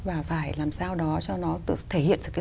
và phải làm sao đó cho nó thể hiện